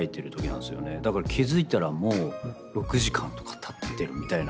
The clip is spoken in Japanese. だから気付いたらもう６時間とかたってるみたいな。